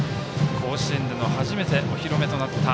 甲子園での初めてお披露目となりました。